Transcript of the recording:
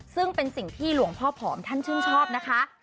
ซึ่งเป็นสิ่งที่หลวงพ่อผอมท่านชื่นชอบนะคะ